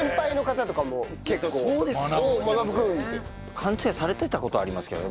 勘違いされてた事ありますけどね